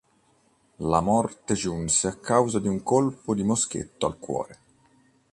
La morte giunse a causa di un colpo di moschetto al cuore.